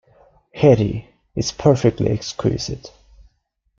Hettie, it’s perfectly exquisite.